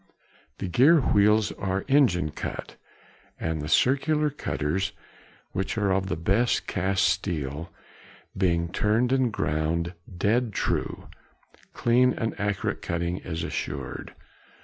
The gear wheels are engine cut, and the circular cutters, which are of the best cast steel, being turned and ground "dead true," clean and accurate cutting is insured.